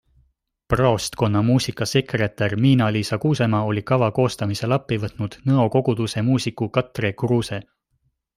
Praostkonna muusikasekretär Miina-Liisa Kuusemaa oli kava koostamisel appi võtnud Nõo koguduse muusiku Katre Kruuse.